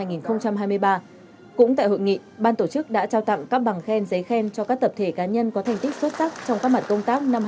cũng tại hội nghị ban tổ chức đã trao tặng các bằng khen giấy khen cho các tập thể cá nhân có thành tích xuất sắc trong các mặt công tác năm hai nghìn hai mươi